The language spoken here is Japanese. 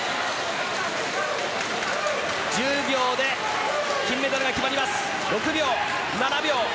１０秒で金メダルが決まります。